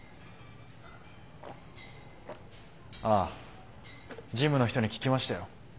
ああジムの人に聞きましたよ。